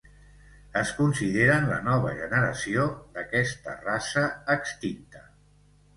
Es consideren la nova generació d'aquesta raça extinta.